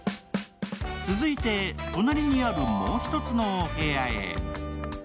続いて、隣にあるもう１つのお部屋へ。